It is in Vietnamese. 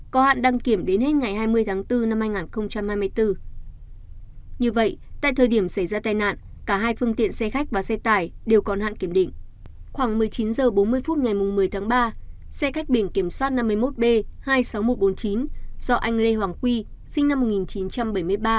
khoảng một mươi chín h bốn mươi phút ngày một mươi tháng ba xe khách biển kiểm soát năm mươi một b hai mươi sáu nghìn một trăm bốn mươi chín do anh lê hoàng quy sinh năm một nghìn chín trăm bảy mươi ba